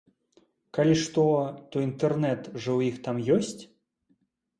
Калі што, то інтэрнэт жа ў іх там ёсць?